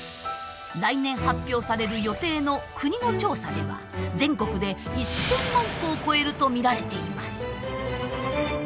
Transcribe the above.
来年発表される予定の国の調査では全国で１，０００万戸を超えると見られています。